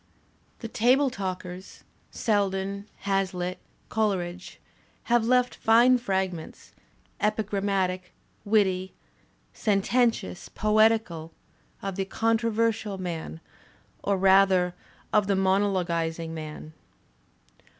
The table talkers, Selden, HazUtt, Col eridge have left fine fragments, epigrammatic, witty; sen tentious, poetical, of the conversational man or rather of the monologuizing man.